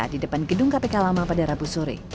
di depan gedung kpk lama pada rabu sore